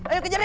ayo kejar dia